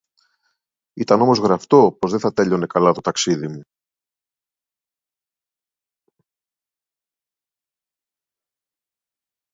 Ήταν όμως γραφτό πως δε θα τελείωνε καλά το ταξίδι μου